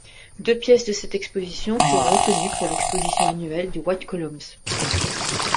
Deux pièces de cette exposition furent retenues pour l'exposition annuelle de White columns.